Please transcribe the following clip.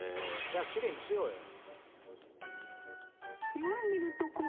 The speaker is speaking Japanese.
じゃあきれいにしようよ。